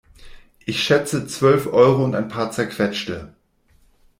Ich schätze zwölf Euro und ein paar Zerquetschte.